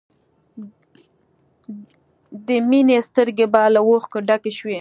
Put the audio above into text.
د مینې سترګې به له اوښکو ډکې شوې